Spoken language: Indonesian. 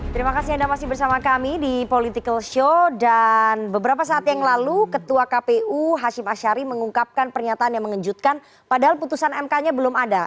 terima kasih anda masih bersama kami di political show dan beberapa saat yang lalu ketua kpu hashim ashari mengungkapkan pernyataan yang mengejutkan padahal putusan mk nya belum ada